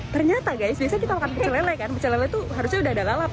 ternyata guys biasanya kita makan pecelele kan pecelele itu harusnya udah ada lalap